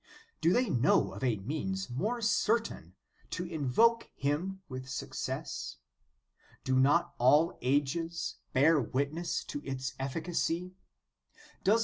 Do they know of a means more certain o invoke Him with success ? Do not all ages bear witness to its efficacy ? Does not the * Catech.